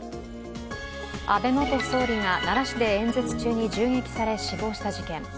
安倍元総理が奈良市で演説中に銃撃され死亡した事件。